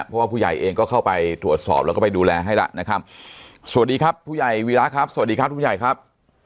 เพราะว่าผู้ใหญ่เองก็เข้าไปตรวจสอบแล้วก็ไปดูแลให้แล้วนะครับสวัสดีครับผู้ใหญ่วีระครับสวัสดีครับผู้ใหญ่ครับ